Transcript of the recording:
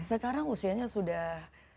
sekarang usianya sudah